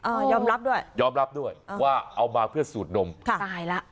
ยอมรับด้วยยอมรับด้วยว่าเอามาเพื่อสูดนมค่ะตายแล้ว